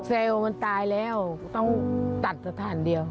เซลล์มันตายแล้วต้องตัดสถานเดียว